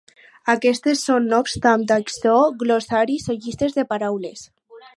Aquestes són, no obstant això, glossaris o llistes de paraules.